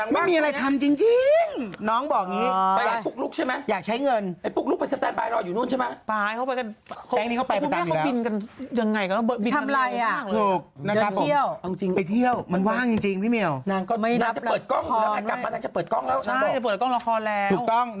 นางบอกนางว่าง